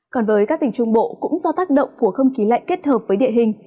còn với các tỉnh trung bộ cũng do tác động của không khí lạnh kết hợp với địa hình